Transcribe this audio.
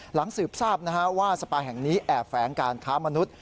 หลังสืบทราบว่าสปาแห่งนี้แอบแฝงการค้ามนุษย์